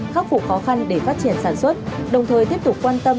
khắc phục khó khăn để phát triển sản xuất đồng thời tiếp tục quan tâm